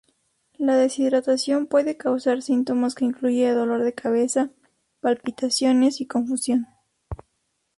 La deshidratación puede causar síntomas que incluyen dolor de cabeza, palpitaciones y confusión.